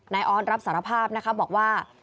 ออสรับสารภาพนะคะบอกว่า